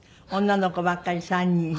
女の子ばっかり３人。